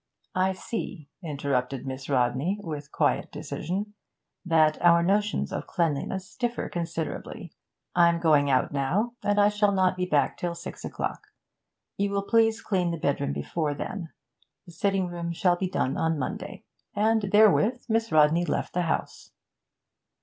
'I see,' interrupted Miss Rodney, with quiet decision, 'that our notions of cleanliness differ considerably. I'm going out now, and I shall not be back till six o'clock. You will please to clean the bedroom before then. The sitting room shall be done on Monday.' And therewith Miss Rodney left the house.